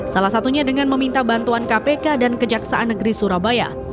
salah satunya dengan meminta bantuan kpk dan kejaksaan negeri surabaya